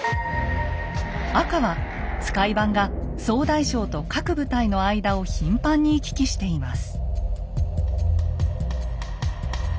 赤は使番が総大将と各部隊の間を頻繁に行き来しています。